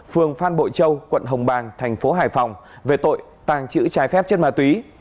phường phan bội châu quận hồng bàng thành phố hải phòng về tội tàng trữ trái phép chất ma túy